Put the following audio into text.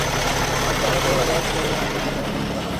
তার ওপর আবার পরিবারের মানসিক অত্যাচার আমি মেনে নিতে পারছি না।